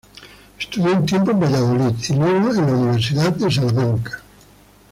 Estudió un tiempo en Valladolid y luego en la Universidad de Salamanca.